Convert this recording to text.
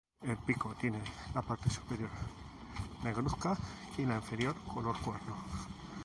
El pico tiene la parte superior negruzca y la inferior color cuerno.